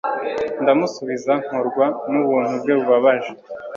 Ndamusubiza nkorwa nubuntu bwe bubabaje